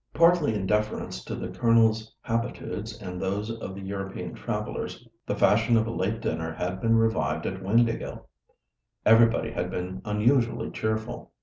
Partly in deference to the Colonel's habitudes and those of the European travellers, the fashion of a late dinner had been revived at Windāhgil. Everybody had been unusually cheerful.